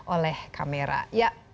oleh kamera ya